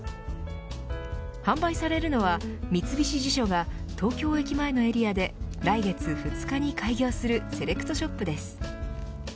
販売されるのは三菱地所が東京駅前のエリアで来月２日に開業するセレクトショップです。